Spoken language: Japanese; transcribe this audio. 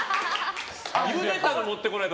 ゆでたの持ってこないと！